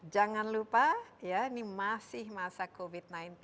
jangan lupa ya ini masih masa covid sembilan belas